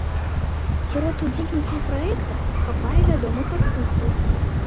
Сярод удзельнікаў праекта хапае вядомых артыстаў.